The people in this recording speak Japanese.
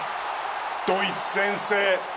ドイツ先制。